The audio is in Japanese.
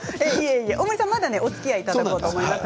大森さん、まだおつきあいいただこうと思います。